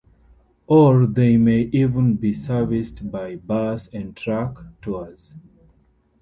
Or they may even be serviced by "bus and truck" tours.